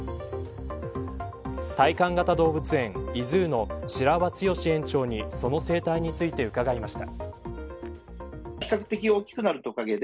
体感型動物園ｉＺｏｏの白輪剛史園長にその生態について伺いました。